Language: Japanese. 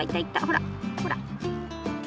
ほらほら。